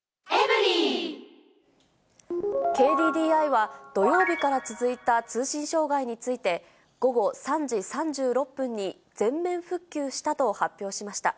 ＫＤＤＩは、土曜日から続いた通信障害について、午後３時３６分に全面復旧したと発表しました。